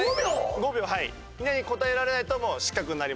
５秒。に答えられないともう失格になりますので。